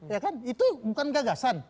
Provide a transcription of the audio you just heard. ya kan itu bukan gagasan